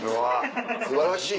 素晴らしい。